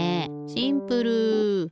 シンプル！